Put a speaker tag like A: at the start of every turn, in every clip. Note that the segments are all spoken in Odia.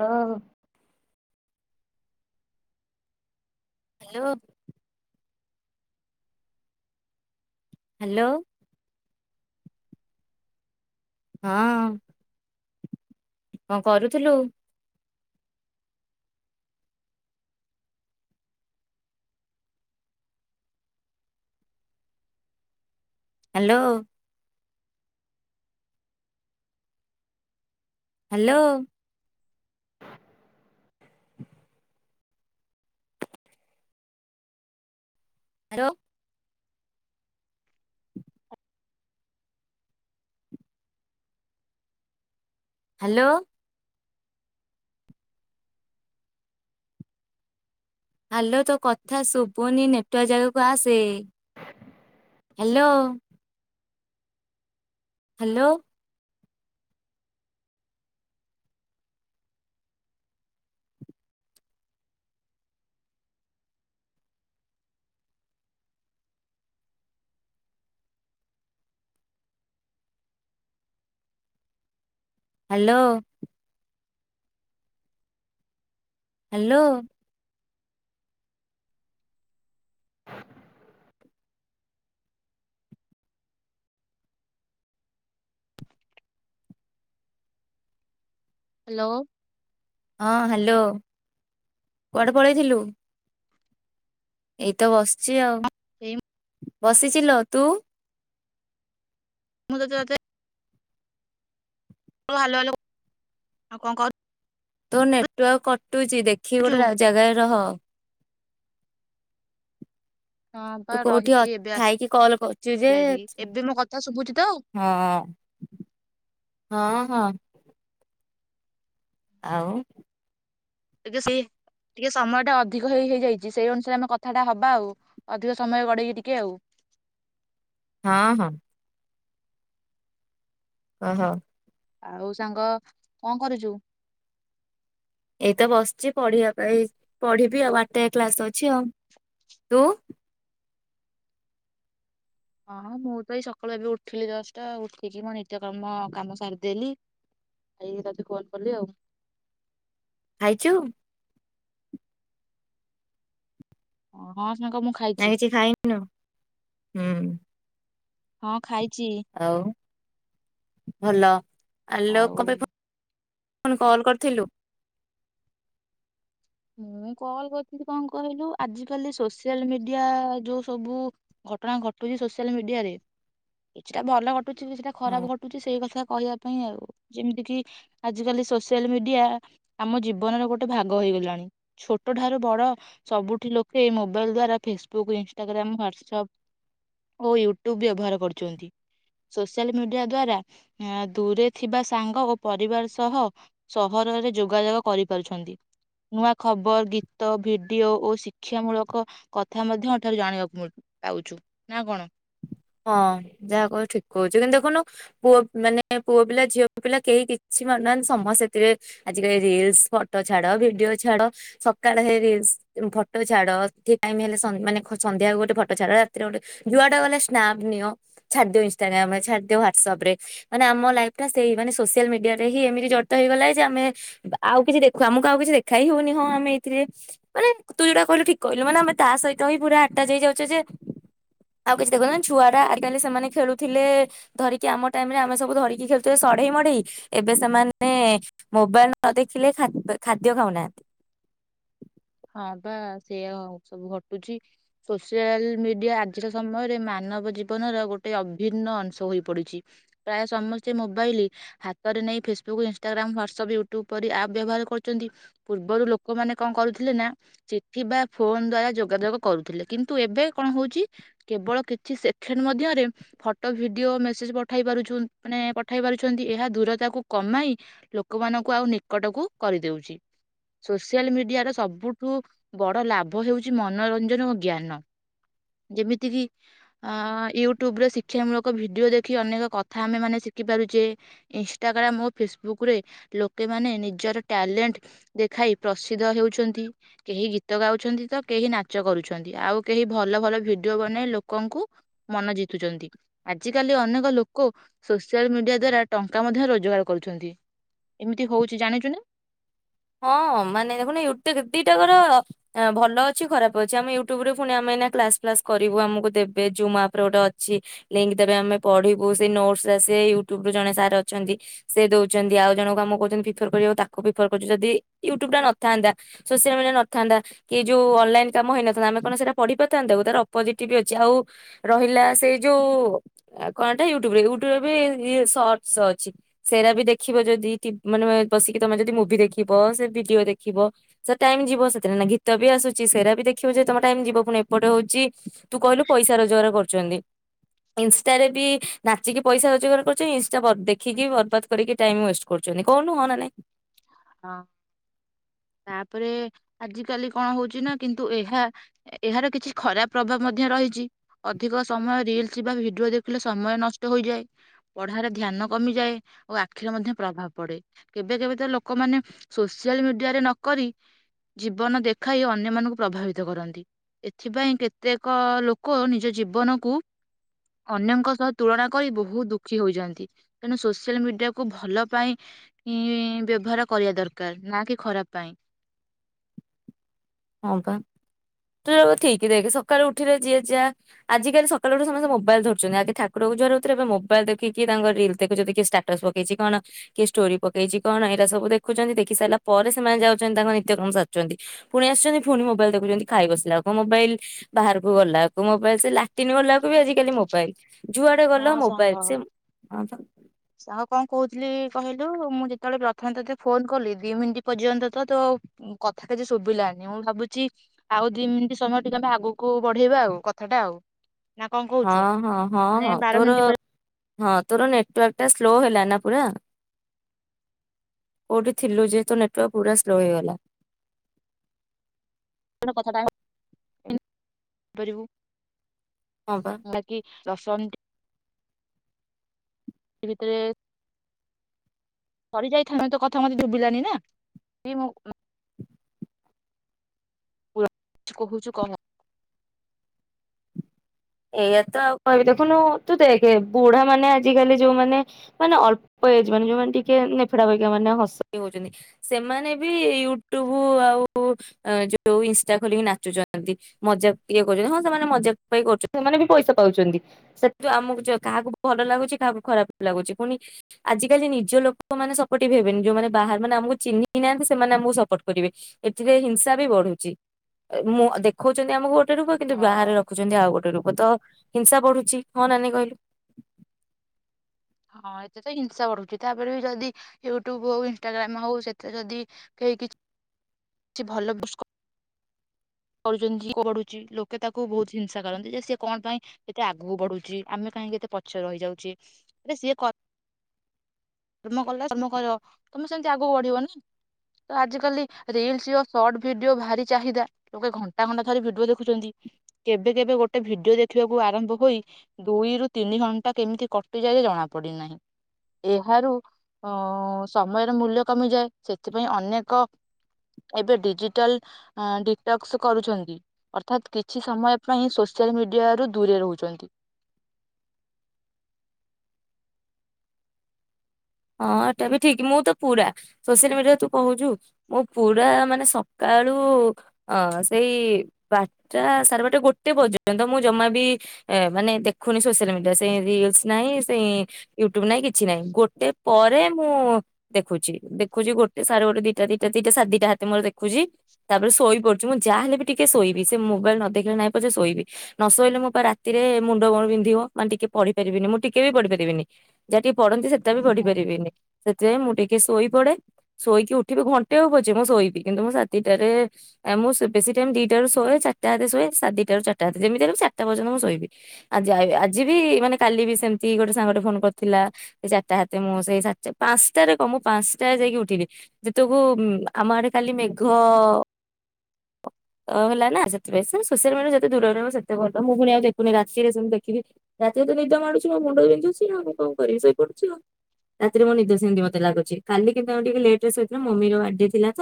A: ହଁ ହାଲୋ ହାଲୋ ହଁ କଣ କରୁଥିଲୁ hello hello hello hello hello ତୋ କଥା ଶୁଭୁନି ନେଟୱାର୍କ ଜାଗାକୁ ଆସେ hello. Hello hello hello
B: hello
A: ହଁ ହାଲୋ କୁଆଡେ ପଳେଇଥିଲୁ ଏଇତ ବସିଛି ଆଉ
B: ଏଇ
A: ବସିଚିଲୋ ତୁ
B: ମୁଁ ତୋତେ ତୋତେ ହାଲୋ ହାଲୋ ଆଉ କଣ କହୁ
A: ତୋ ନେଟୱାର୍କ କଟି କଟୁଛିି ଦେଖିକି
B: କରୁଛୁ?
A: ଗୋଟେ ଜାଗାରେ ରହ
B: ହଁ ବା
A: ତୁ କୋଉଠି ଅ
B: ରହିଛି ଏବେ ଆସିଲା
A: ଥାଇକି କଲ କରୁଛୁ ଯେ
B: ଏଠିକି ଏବେ ମୋ କଥା ଶୁଭୁଛି ତ
A: ହଁ ହଁ ହଁ- ହଁ ଆଉ
B: ଟିକେ ସେଇ ଟିକେ ସମୟ ଟା ଅଧିକ ହେଇ ହେଇଯାଇଛି ସେଇ ଅନୁସାରେ ଆମେ କଥାଟା ହବା ଆଉ ଅଧିକ ସମୟ ଗଡେଇକି ଟିକେ ଆଉ
A: ହଁ ହଁ ଓ ହୋ
B: ଆଉ ସାଙ୍ଗ କଣ କରୁଛୁ
A: ଏଇତ ବସିଛି ପଢିବା ପାଇଁ ପଢିବି ଆଉ ବାରଟା ଯାଏଁ କ୍ଲାସ ଅଛି ଆଉ ତୁ।
B: ହଁ ହଁ ମୁଁ ତ ଏଇ ସକାଳୁ ଏବେ ଉଠିଲି ଦଶଟା ଉଠିକି ମୁଁ ନିତ୍ୟ କାମ କାମ ସାରିଦେଲି ଆଇକି ତତେ ଫୋନ କଲି ଆଉ
A: ଖାଇଛୁ
B: ଓହୋ
A: ନା କିଛି ଖାଇନନୁ ହୁଁ
B: ହଁ ଖାଇଛି
A: ଆଉ ଭଲ ଆଲୋକ
B: ଆଉ
A: କଣ ପା ପୁଣି କଲ୍ କରିଥିଲୁ
B: ମୁଁ କଲ କରିଥିଲ କଣ କହିଲୁ ଆଜି କାଲି ସୋସିଆଲ ମିଡିଆ ଯୋଉ ସବୁ ଘଟଣା ଘଟୁଛି ସୋସିଆଲ ମିଡିଆରେ କିଛିଟା ଭଲ ଛି ସେଟା ଖରାପ ଘଟୁଛି ସେଇ କଥା କହିବା ପାଇଁ ଆଉ ଯେମିତି କିି ଆଜିକାଲି ସୋସିଆଲ ମିଡିଆ ଆମ ଜୀବନର ଗୋଟେ ଭାଗ ହେଇଗଲାଣି ଛୋଟ ଠାରୁ ବଡ ସବୁଠି ଲୋକେ ଏଇ ମୋବାଇଲ ଦ୍ଵାରା ଫେସବୁକ୍ ଇନଷ୍ଟାଗ୍ରାମ ହ୍ଵାଟସଆପ୍ ଓ ୟୁଟ୍ୟୁବ ବ୍ୟବହାର କରୁଛନ୍ତି ସୋସିଆଲ ମିଡିଆ ଦ୍ଵାରା ଦୂରେ ଥିବା ସାଙ୍ଗ ଓ ପରିବାର ସହ ସହରରେ ଯୋଗାଯୋଗ କରିପାରୁଛନ୍ତି। ନୂଆ ଖବର ଗୀତ ଭିଡିଓ ଓ ଶିକ୍ଷା ମୂଳକ କଥା ମଧ୍ୟ ଏଠାରୁ ଜାଣିବାକୁ ପାଉଛୁ ନା କଣ?
A: ହଁ ଯାହା କହି ଠିକ କହୁଚୁ କିନ୍ତୁ ଦେଖୁନୁ ପୁଅ ମାନେ ପୁଅପିଲା ଝିଅପିଲା କେହି କିଛି ମାନୁନାହାନ୍ତି ସମସ୍ତେ ସେଥିରେ ଆଜିକାଲି ରିଲସ ଫଟୋ ଛାଡ ଭିଡିଓ ଛାଡ ସକାଳେ ହେଇ ରିଲସ୍ ଉଁ ଫଟୋ ଛାଡ ସେଠି ଟାଇମ ହେଲେ ସଂ ମାନେ ଖ-ସନ୍ଧ୍ୟାକୁ ଗୋଟେ ଫଟୋ ଛାଡ ରାତିରେ ଗୋଟେ ଯୁଆଡେ ଗଲେ ସ୍ ସ୍ନାପ୍ ନିଅ ଛାଡି ଦିଅ ଇନଷ୍ଟାଗ୍ରାମରେ ଛାଡି ଦିଅ ହ୍ୱାଟ୍ସଆପରେ ମାନେ ଆମ ଲାଇଫଟା ସେଇ ମାନେ ସୋସିଆଲ ମିଡିଆରେ ହିଁ ଏମିତି ଜଡିତ ହେଇଗଲା ଯେ ଆମେ ଆଉ କିଛି ଦେଖୁ ଆମକୁ ଆଉ କିଛି ଦେଖା ହିଁ ହଉନି ହଁ ଆମେ ଏଇଥିରେ ମାନେ ତୁ ଯୋଉଟା କହିଲୁ ଠିକ କହିଲୁ ମାନେ ଆମେ ତା ସହିତ ହିଁ ପୁରା ଆଟାଚ ହେଇଯାଉଚେ ଯେ ଆଉ କିଛି ଦେଖା ଛୁଆରା ଆଜିକାଲି ସେମାନେ ଖେଳୁଥିଲେ ଧରିକି ଆମ ଟାଇମରେ ଆମେ ସବୁ ଧରିକି ଖେଳୁଥିଲେ ସଢେଇ ମଢେଇ ଏବେ ସେମାନେ ମୋବାଇଲ ନ ଦେଖିଲେ ଖାଦ ଖାଦ୍ୟ ଖାଉନାହାନ୍ତି।
B: ହଁ ପା ସେୟା ସବୁ ଘଟୁଚି ସୋସିଆଲ ମିଡିଆ ଆଜିର ସମୟରେ ମାନବ ଜୀବନର ଗୋଟେ ଅଭିନ୍ନ ଅଂଶ ହୋଇ ପଡିଛି ପ୍ରାୟ ସମସ୍ତେ ମୋବାଇଲି ହାତରେ ନେଇ ଫେସବୁକ୍ ଇନଷ୍ଟାଗ୍ରାମ୍ ହ୍ୱାଟସଆପ୍ ୟୁଟ୍ୟୁବ ପରି ଆପ୍ ବ୍ୟବହାର କରୁଚନ୍ତି ପୂର୍ବରୁ ଲୋକମାନେ କଣ କରୁଥି ଥିଲେ ନା ଚିଠି ବା ଫୋନ ଦ୍ଵାରା ଯୋଗାଯୋଗ କରୁଥିଲେ କିନ୍ତୁ ଏବେ କଣ ହୋଉଚି କେବଳ କିଛି ସେଖେଣ୍ଡ୍ ମଧ୍ୟରେ ଫଟୋ ଭିଡିଓ ମେସେଜ ପଠାଇପାରୁଛୁ ମାନେ ପଠାଇପାରୁଛନ୍ତି ଏହା ଦୂରତାକୁ କମାଇ ଲୋକମାନଙ୍କୁ ଆଉ ନିକଟକୁ କରିଦେଉଚି ସୋସିଆଲ ମିଡିଆର ସବୁଠୁ ବଡ଼ ଲାଭ ହେଉଚି ମନୋରଞ୍ଜନ ଓ ଜ୍ଞାନ ଯେମିତିକି ଅ ୟୁଟ୍ୟୁବରେ ଶିକ୍ଷା ମୂଳକ ଭିଡ଼ିଓ ଦେଖି ଅନେକ କଥା ଆମେମାନୋନ ଶିଖିପାରୁଚେ ଇନଷ୍ଟାଗ୍ରାମ୍ ଓ ଫେସବୁକ୍ରରେ ଲୋକେମାନେ ନିଜର ଟ୍ୟାଲେଣ୍ଟ ଦେଖାଇ ପ୍ରସିଦ୍ଧ ହେଉଛ ନ୍ତି କେହି ଗୀତ ଗାଉଛନ୍ତି ତ କେହି ନାଚ କରୁଛନ୍ତି ଆଉ କେହି ଭଲ ଭଲ ଭିଡିଓ ବନେଇ ଲୋକଙ୍କୁ ମନ ଜିତୁଚନ୍ତି ଆଜିକାଲି ଅନେକ ଲୋକ ସୋସିଆଲ ମିଡିଆ ଦ୍ଵାରା ଟଙ୍କା ମଧ୍ୟ ରୋଜଗାର କରୁଛନ୍ତି ଏମିତି ହୋଉଚି ଜାଣିଚୁ ନା।
A: ହଁ ମାନେ ଦେଖୁନୁ ୟୁଟିକ ଦିଟାକର ଭଲ ଅଛି ଖରାପ ଅଛି ଆମେ ୟୁଟ୍ୟୁବରେ ପୁଣି ଆମେ କ୍ଲାସ ଫ୍ଲାସ କରିବୁ ଆମକୁ ଦେବେ ଜୁମ୍ ଆପର ଗୋଟେ ଅଛି ଲିଙ୍କ୍ ଦେବେ ଆମେ ପଢିବୁ ସେ ନୋଟସରା ସେ ୟୁଟୁବରୁ ଜଣେ ସାର୍ ଅଛନ୍ତି ସେ ଦୋଉଚନ୍ତି ଆଉ ଜଣକ ଆମକୁ କୋହୁଚନ୍ତି ପ୍ରିଫର କରିବାକୁ ତାକୁ ବି ପ୍ରିଫର କରୁଚୁ ଯଦି ୟୁଟ୍ୟୁବଟା ନଥାନ୍ତା ସୋସିଆଲ ମିଡିଆ ନଥାନ୍ତା କି ଯୋଉ ଅନଲାଇନ କାମ ହେଇନଥାନ୍ତା ଆମେ କଣ ସେରା ପଢି ପାଇଥାନ୍ତେ ତାକୁ ତାର ଅପୋଜିଟି ବି ଅଛି ଆଉ ରହିଲା ସେଇ ଯୋଉ ଆ କଣଟା ୟୁଟ୍ୟୁବରେ ୟୁଟ୍ୟୁବରେ ବି ଇଏ ସଟସ ଅଛି ସେରା ବି ଦେଖିବ ଯଦି ଟି ମାନେ ବସିକି ତମେ ଯଦି ମୁଭି ଦେ ଦେଖିବ ସେ ଭିଡିଓ ଦେଖିବ ସେ ଟାଇମ ଯିବ ସେଥିରେ ନା ଗୀତ ବି ଆସୁଚି ସେରା ବି ଦେଖିବ ଯଦି ତମ ଟାଇମ ଯିବ ପୁଣି ଏପଟେ ହୋଉଚି ତୁ କହିଲୁ ପଇସା ରୋଜଗାର କରଚନ୍ତି। ଇନଷ୍ଟାରେ ବି ନାଚିକି ପଇସା ରୋଜଗାର କରୁଚଇଁ ଇନଷ୍ଟା ବ ଦେଖିକି ବର୍ବାଦ କରିକି ଟାଇମ ୱେଷ୍ଟ କରୁଚନ୍ତି କହୁନୁ ହଁ ନା ନାଇଁ।
B: ହଁ ତାପରେ ଆଜିକାଲି କଣ ହୋଉଚି ନା କିନ୍ତୁ ଏହା ଏହାର କିଛି ଖରାପ ପ୍ରଭାବ ମଧ୍ୟ ରହିଚି ଅଧିକ ସମୟ ରିଲସ ବା ଭିଡିଓ ଦେଖିଲେ ସମୟ ନଷ୍ଟ ହୋଇଯାଏ ପଢାରେ ଧ୍ୟାନ କମିଯାଏ ଓ ଆଖିର ମଧ୍ୟ ପ୍ରଭାବ ପଡେ କେବେ କେବେ ତ ଲୋ କମାନେ ସୋସିଆଲ ମିଡିଆରେ ନକରି ଜୀବନ ଦେଖାଇ ଅନ୍ୟମାନଙ୍କୁ ପ୍ରଭାବିତ କରନ୍ତି ଏଥିପାଇଁ କେତେକ ଲୋକ ନିଜ ଜୀବନକୁ ଅନ୍ୟଙ୍କ ସହ ତୁଳନା କରି ବୋହୁତ ଦୁଃଖୀ ହୋଇଯାଆନ୍ତି ତେଣୁ ସୋସିଆଲ ମିଡିଆକୁ ଭଲ ପାଇଁ ବ୍ୟ ଭରା କରିବା ଦରକାର ନା କି ଖରାପ ପାଇଁ
A: ହଁ ପା ତୁ ଯୋଉ ଠିକି ଦେଖେ ସକାଳୁ ଉଠିଲେ ଯିଏ ଯାଆ ଆଜିକାଲି ସକାଳୁ ଉଠି ସମସ୍ତେ ମୋବାଇଲ ଧରୁଚନ୍ତି ଆଗେ ଠାକୁରଙ୍କୁ ଜୁହାରଥୁଲେ ଏବେ ମୋବାଇଲ ଦେଖିକି ତାଙ୍କ ରିଲ ଦେଖୁଚନ୍ତି କିଏ ଷ୍ଟାଟସ ପକେଇଚି କଣ କିଏ ଷ୍ଟୋରି ପକେଇଚି କଣ ଏରା ସବୁ ଦେଖୁଚନ୍ତି ଦେଖିସାଇଲା ପରେ ସେମାନେ ଯାଉଚନ୍ତି ତାଙ୍କ ନିତ୍ୟ କାମ ସାରୁଚନ୍ତି। ପୁଣି ଆସଚନ୍ତି ପୁଣି ମୋବାଇଲ ଦେଖୁଚନ୍ତି ଖାଇ ବସିଲାକୁ ମୋବାଇଲ ବାହାରକୁ ଗଲାକୁ ମୋବାଇଲ ସେ ଲାଟିନ୍ ଗଲାକୁ ବି ଆଜିକାଲି ମୋବାଇଲ। ଯୁଆଡେ ଗଲ
B: ହଁ
A: ମୋବାଇଲ
B: ସାଙ୍ଗ
A: ସେ
B: ସାଙ୍ଗ କଣ କହୁଥିଲି କହିଲୁ ମୁଁ ଯେତେବେଳେ ପ୍ରଥମେ ତୋତେ ଫୋନ କଲି ଦି ମିନିଟ୍ ପର୍ଯ୍ୟନ୍ତ ତ ତୋ କଥା କିଛି ଶୁଭିଲାନି ମୁଁ ଭାବୁଚି ଆଉ ଦି ମିନଟି ସମୟ ଟିକେ ଆମେ ଆଗକୁ ବଢେଇବା ଆଉ କଥାଟା ଆଉ। ନା କଣ
A: ହଁ
B: କହୁଛୁ
A: ହଁ ହଁ ହଁ
B: ମାନେ
A: ହଁ
B: ବାର
A: ତୋର
B: ମିନିଟ୍
A: ହଁ ତୋର ନେଟୱାର୍କଟା ସ୍ଲୋ ହେଲା ନା ପୁରା କୋଉଠି ଥିଲୁ ଯେ ତୋ ନେଟୱାର୍କ ପୂର ସ୍ଲୋ ହେଇଗଲା।
B: [unintelligible] କଥାଟା [inaudible] ପାରିବୁ।
A: ହଁ ବା।
B: ବାକି ଦଶ ମିନଟ୍ ଟି ଭିତରେ ସରି ଯାଇଥାନ୍ତୁ ତୋ କଥା ମତେ ଶୁବିଲାନି ନା ମୁ ମୋ ପୁରା କହୁଚୁ କହ
A: ଏଇଆ ତ ଆଉ କହି ଦେଖୁନୁ ତୁ ଦେଖେ ବୁଢାମାନେ ଆଜିକାଲି ଯୋଉମାନେ ମାନେ ଅଳ୍ପ ଏଜ ମାନେ ଯୋଉମାନେ ଟିକେ ନେଫିଡା ବାକିଆ ମାନେ ହସ୍ ହୋଉଚନ୍ତି ସେମାନେ ବି ୟୁଟ୍ୟୁବୁ ଆଉ ଯୋଉ ଇନଷ୍ଟା ଖୋଲିକି ନାଚୁଚନ୍ତି ମଜା ଇଏ କରୁଚନ୍ତି ହଁ ସେମାନେ ମଜାକ ପାଇଁ କରୁଚନ୍ ସେମାନେ ବି ପଇସା ପାଉଚନ୍ତି ସେଥୁ ଆମକୁ ଯ କାହାକୁ ଭଲ ଲାଗୁଚି କାହାକୁ ଖରାପ ଲାଗୁଚି ପୁଣି ଆଜିକାଲି ନିଜ ଲୋକମାନେ ସପୋର୍ଟିଭ ହେବେନି ଯୋଉମାନେ ବାହାର ମାନେ ଆମକୁ ଚିହ୍ନି ନାହାନ୍ତି ସେମାନେ ଆମକୁ ସପୋର୍ଟ କରିବେ ଏଥିରେ ହିଂସା ବି ବଢୁଚି ଅ ମୁଁ ଅ ଦେଖୋଉଚନ୍ତି ଆମକୁ ଗୋ ଗୋଟେ ରୂପ କିନ୍ତୁ
B: ହଁ
A: ବାହାରେ ରଖୁଚନ୍ତି ଆଉ ଗୋଟ ରୂ ତ ହିଂସା ବଢୁଚି ହଁ ନାଇଁ କହିଲୁ?
B: ହଁ ଏଥରେ ତ ହିଂସା ବଢୁଚି ତାପରେ ବି ଯଦି ୟୁଟ୍ୟୁବୁ ହୋଉ ଇନଷ୍ଟାଗ୍ରାମ ହୋଉ ସେଥିରେ ଯଦି କେହି କିଚ୍ ଛି ଭଲ କ କରୁଚନ୍ତି କଢୁଚି ଲୋକେ ତାକୁ ବୋହୁତ ହିଂସା କରନ୍ତି ଯେ ସିଏ କଣ ପାଇଁ ଏତେ ଆଗକୁ ବଢୁଚି ଆମେ କାହିଁକି ଏତେ ପଛରେ ରହିଯାଉଛି ସିଏ କର କର୍ମ କଲା କର୍ମ କର ତମେ ସେମିତି ଆଗକୁ ବଢିବନି ତ ଆଜିକାଲି ରିଲସ ଓ ସର୍ଟ ଭିଡିଓ ଭାରି ଚାହିଦା ଲୋକେ ଘଣ୍ଟା ଘଣ୍ଟା ଧରି ଭିଡିଓ ଦେଖୁଚନ୍ତି। କେବେ କେବେ ଗୋଟେ ଭିଡିଓ ଦେଖିବାକୁ ଆରମ୍ଭ ହୋଇ ଦୁଇରୁୁ ତିନି ଘଣ୍ଟା କେମତି କଟିଯାଏ ଯେ ଜଣା ପଡିନାହିଁ ଏଇଆ ହାରୁ ଅ ସମୟର ମୂଲ୍ୟ କମିଯାଏ। ସେଥିପାଇଁ ଅନେକ ଏବେ ଡିଜିଟାଲ ଡିଟକ୍ସ କରୁଛନ୍ତି ଅର୍ଥାତ କିଛି ସମୟ ପାଇଁ ସୋସିଆଲ ମିଡିଆ ରୁ ଦୂରେ ରହୁଚନ୍ତି।
A: ହଁ ଏଟା ବି ଠିକି ମୁଁ ତ ପୁରା ସୋସିଆଲ ମିଡିଆରେ ତୁ କହୁଚୁ ମୁଁ ପୁରା ମାନେ ସକାଳୁ ଅ ସେଇ ବାରଟା ସାଢେ ବରଟା ଗୋଟେ ପର୍ଯ୍ୟନ୍ତ ମୁଁ ଜମା ବି ମାନେ ଦେଖୁନି ସୋସିଆଲ ମିଡିଆ ସେଇ ରିଲସ ନାହିଁ ସେଇ ୟୁଟୁବ ନାହିଁ କିଛି ନାହିଁ ଗୋଟେ ପରେ ମୁଁ ଦେଖୁଚି ଦେଖୁଚି ଗୋଟେ ସାରେ ଗୋଟେ ଦିଟା ଦିଟା ଦିଟା ସାଦିଟା ହାତେ ମୋର ଦେଖୁଚି ତାପରେ ଶୋଇପଡୁଚି ମୁଁ ଯାହା ହେଲେ ବି ଟିକେ ଶୋଇବି ସେ ମୋବାଇଲ ନ ଦେଖିଲେ ନାହିଁ ପଛେ ଶୋଇବି ନ ଶୋଇଲେ ମୋ ରାତିରେ ମୁଣ୍ଡ କଣ ବିନ୍ଧିବ ମାନ ଟିକେ ପଢିପାରିବିନି ମୁଁ ଟିକେ ବି ପଢିପାରିବିନି ଯାହା ଟିକେ ପଢନ୍ତି ସେତ ପାରିବିନି ସେଥିପାଇଁ ମୁଁ ଟିକେ ଶୋଇପଡେ ଶୋଇକି ଉଠିବି ଘଣ୍ଟେ ହୋଉ ପଛେ ମୁଁ ଶୋଇବି କିନ୍ତୁ ମୁଁ ସାଢ ଦିଟାରେ ଆ ମୁଁ ସ-ବେଶୀ ଟାଇମ ଦିଟାରୁ ଶୋଏ ଚାରଟା ହାତେ ଶୋଏ ସାଦିଟାରୁ ଚାରଟା ହାତେ ଯେମିତି ହେଲେ ମୁଁ ଚାରଟା ପର୍ଯ୍ୟନ୍ତ ମୁଁ ଶୋଇବି ଆଜି ଆଇ ଆଜି ବି ମାନେ କାଲି ବି ସେମିତି ଗୋଟେ ସାଙ୍ଗଟେ ଫୋନ କରିଥିଲା ସେ ଚାରିଟା ହାତ ତେ ମୁଁ ସେଇ ସାଢ୍ ଚାର ପାଞ୍ଚଟାରେ କଁ ମୁଁ ପାଞ୍ଚଟାରେ ଯାଇକି ଉଠିଲି ଯେତକୁ ଉଁ ଆମ ଆଡେ କାଲି ମେଘ ଅ ହେଲା ନା ସେଥି ପାଇଁ ସେ ସୋସିଆଲ ମିଡିଆରୁ ଯେତେ ଦୂରରେ ରହିବୁ ସେତେ ଭଲ ମୁଁ ଫୁଣି ଆଉ ଦେଖୁନି ରାତିରେ ସେମତି ଦେଖିବି ରାତିକୁ ତ ନିଦ ମାଡୁଚି ମୋ ମୁଣ୍ଡ ବିନ୍ଧୁଚି ଆଉ ମୁଁ କଣ କରିବି ଶୋଇପଡୁଚି ଆଉ ରାତିରେ ମୋ ନିଦ ସେମିତି ମତେ ଲାଗୁଚି କାଲି କିନ୍ତୁ ଆଉ ଟିକେ ଲେଟରେ ଶୋଇଥିଲ ମମିର ବାଡେ ଥିଲା ତ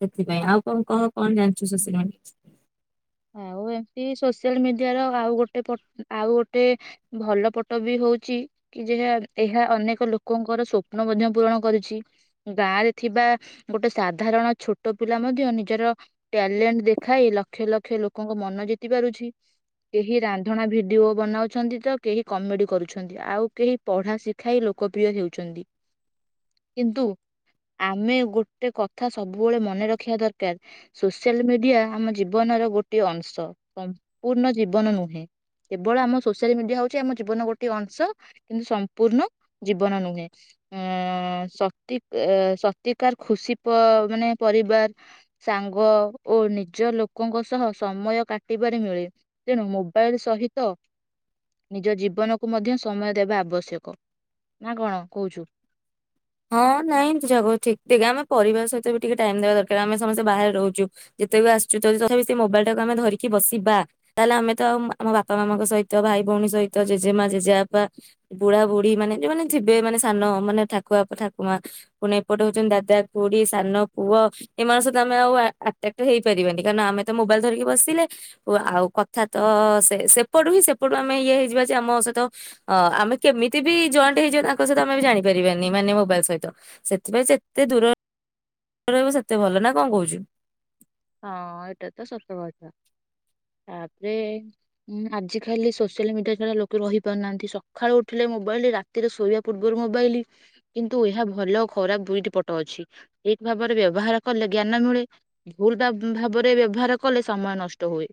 A: ସେଥିପାଇଁ ଆଉ କଣ କହ କଣ ଜା
B: ଆଉ ଏମିତି ସୋସି ସୋସିଆଲ ମିଡିଆର ଆଉ ଗୋଟେ ପ ଆଉ ଗୋଟେ ଭଲ ପଟ ବି ହୋଉଚି କି ଯେ ଯା ଏହା ଅନେକ ଲୋକଙ୍କର ସ୍ୱପ୍ନ ମଧ୍ୟ ପୂରଣ କରୁଛି ଗାଁରେ ଥିବା ଗୋଟେ ସାଧାରଣ ଛୋଟ ପିଲା ମଧ୍ୟ ନିଜର ଟ୍ୟାଲେଣ୍ଟ ଦେଖାଇ ଲକ୍ଷେ ଲକ୍ଷେ ଲୋକଙ୍କ ମନ ଜିତି ପାରୁଛି କେହି ରାନ୍ଧଣା ଭିଡିଓ ବନାଉଛନ୍ତି ତ କେହି କମେଡି କରୁଛନ୍ତି ଆଉ କେହି ପଢା ଶିଖାଇ ଲୋକପ୍ରିୟ ହେଉଛନ୍ତି କିନ୍ତୁ ଆମେ ଗୋଟେ କଥା ସବୁବେଳେ ମନେ ରଖିବା ଦରକାର ସୋସିଆଲ ମିଡିଆ ଆମ ଜୀବନର ଗୋଟଏ ଅଂଶ ସମ୍ପୂର୍ଣ୍ଣ ଜୀବନ ନୁହେଁ କେବଳ ଆମ ସୋସିଆଲ ମିଡିଆ ହଉଛି ଆମ ଜୀବନ ଗୋଟେ ଅଂଶ କିନ୍ତୁ ସମ୍ପୂର୍ଣ୍ଣ ଜୀବନ ନୁହେଁ ସତି କି ସତିକାର ଖୁସି ମାନେ ପରିବାର ସାଙ୍ଗ ଓ ନିଜ ଲୋକଙ୍କ ସହ ସମୟ କାଟିବାରେ ମିଳେ ତେଣୁ ମୋବାଇଲ ସହିତ ନିଜ ଜୀବନକୁ ମଧ୍ୟ ସମୟ ଦେବା ଆବଶ୍ୟକ।
A: ହଁ ନାଇଁ ଯକ ଠିକିକ ଆମେ ପରିବାର ସହିତ ବି ଟିକେ ଟାଇମ ଦେବା ଦରକାର ।ଆମେ ସମସ୍ତେ ବାହାରେ ରହୁଛୁ ଯେତେ ବି ଆସୁଛୁ ଯଦି ତଥାପି ସେ ମୋବାଇଲ ଟାକୁ ଆମେ ଧରିକି ବସିବା ତାହେଲେ ଆମେ ତ ଆଉ ଆମ ବାପା ମାମାଙ୍କ ସହିତ ଭାଇ ଭଉଣୀ ସହିତ ଜେଜେମା ଜେଜେବାପା ବୁଢା ବୁଢୀ ମାନେ ଯାନେ ଯିବେ ମାନେ ସାନ ମାନେ। ଆପ ଠାକୁମା ପୁଣି ଏପଟେ ହଉଛନ୍ତି ଦାଦା ଖୁଡି ସାନ ପୁଅ ଏମାନେ ସହିତ ଆମେ ଆଉ ଆଟ୍ରାଟ୍ ହେଇପାରିବାନି କାରଣ ଆମେ ତ ମୋବାଇଲ୍ ଧରିକି ବସିଲେ ଓ ଆଉ କଥା ତ ସେପଟୁ ହିଁ ସେପଟୁ ଆମେ ଇଏ ହେଇ ଯିବା ଯେ ଆମ ସହିତ ଆମେ କେମିତି ବି ଜଏଣ୍ଟ ହେଇ ଯିବା ତାଙ୍କ ସହିତ ଆମେ ଜାଣି ପାରିବାନି । ମାନେ ମୋବାଇଲ ସହିତ ସେଥିପାଇଁ ସେତେ ଦୂର ରହିବ ସେତେ ଭଲ ନା କଣ କହୁଛୁ?
B: ହଁ ଏଇଟା ତ ସତ କଥା ।ତାପରେ ଆଜିକାଲି ସୋସିଆଲ ମିଡିଆ ଛଡା ଲୋକ ରହି ପାରୁନାହାନ୍ତି। ସକାଳୁ ଉଠିଲେ ମୋବାଇଲ ରାତିରେ ଶୋଇବା ପୂର୍ବରୁ ମୋବାଇଲ କିନ୍ତୁ ଏହା ଭଲ ଆ ଖରାପ ଦୁଇଟି ପଟ ଅଛି ଠିକ ଭାବରେ ବ୍ୟବହାର କଲେ ଜ୍ଞାନ ମିଳେ। ଭୁଲଟା ଭାବରେ ବ୍ୟବହାର କଲେ ସମୟ ନଷ୍ଟ ହୁଏ।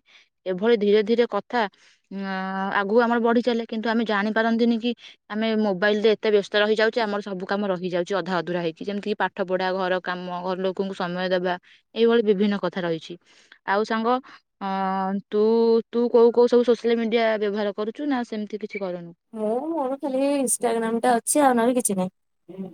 B: ଏଭଳି ଧୀରେ ଧୀରେ କଥା ଅ ଆଗୁ ଆମର ବଢି ଚାଲେ କିନ୍ତୁ ଆମେ ଜାଣିପାରନ୍ତିନି କି ଆମେ ମୋବାଇଲରେ ଏତେ ବ୍ୟସ୍ତ ରହିଯାଉଛେ ଆମର ସବୁ କାମ ରହିଯାଉଛି ଅଧା ଅଧୁରା ହେଇଛି ଯେମିତିକି ପାଠ ପଢା, ଘର କାମ, ଘର ଲୋକଙ୍କୁ ସମୟ ଦେବା, ଏଇଭଳି। ବିଭିନ୍ନ କଥା ରହିଛି ଆଉ ସାଙ୍ଗ ଅ ତୁ ତୁ କୋଉ କୋଉ ସବୁ ସୋସିଆଲ ମିଡିଆ ବ୍ୟବହାର କରୁଛୁ ନା ସେମିତି କି
A: ମୁଁ ମୋର ଖାଲି ଇନଷ୍ଟାଗ୍ରାମ ଟା ଅଛି ଆଉ ନହେଲେ କି ଛି ନାହିଁ।